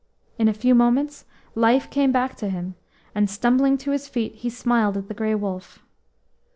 In a few moments life came back to him, and, stumbling to his feet, he smiled at the Grey Wolf.